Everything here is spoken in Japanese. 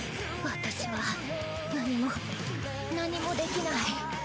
私は何も何もできない。